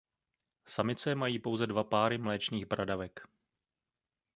Samice mají pouze dva páry mléčných bradavek.